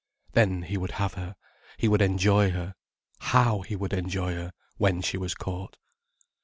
Then he would have her, he would enjoy her. How he would enjoy her, when she was caught.